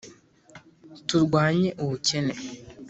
turwanye ubukene